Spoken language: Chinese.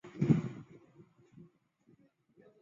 大理茶是山茶科山茶属的植物。